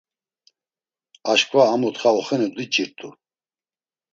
Aşǩva a mutxa oxenu diç̌irt̆u.